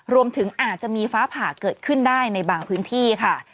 รวมถึงอาจจะมีฟ้าผ่าเกิดขึ้นได้ในบางพื้นที่ค่ะ